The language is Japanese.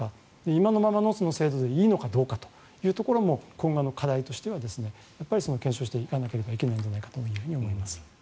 今のままの制度でいいのかというところも今後、課題としては検証していかなければいけないのではと思います。